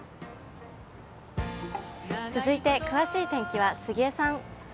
続いて、詳しい天気は杉江さん。